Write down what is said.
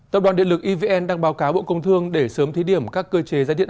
tập đoàn điện lực evn đang báo cáo bộ công thương để sớm thí điểm các cơ chế giá điện